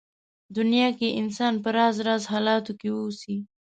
دنيا کې انسان په راز راز حالاتو کې اوسي.